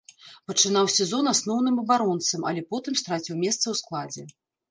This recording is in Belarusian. Пачынаў сезон асноўным абаронцам, але потым страціў месца ў складзе.